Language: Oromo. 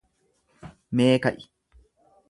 Mee ka'i.